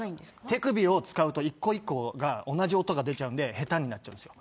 手首を使うと一個一個同じ音が出ちゃうんで下手になっちゃうんです。